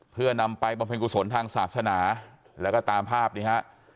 เพื่อนำไปบำเพ็ญกุศลทางศาสนาแล้วก็ตามภาพนี้ฮะ